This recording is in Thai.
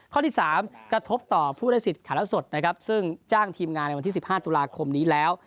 ข้อที่๓กระทบต่อผู้ได้สิทธิ์ถ่ายละสดนะครับซึ่งจ้างทีมงานในวันที่๑๕ตุลาคมนี้แล้ว